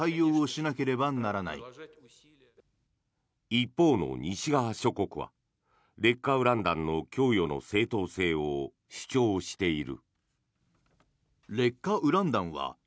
一方の西側諸国は劣化ウラン弾の供与の正当性を主張している。